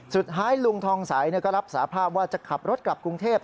สุดท้ายลุงทองใสก็รับสาภาพว่าจะขับรถกลับกรุงเทพ